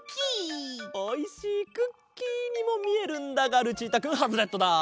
おいしいクッキーにもみえるんだがルチータくんハズレットだ。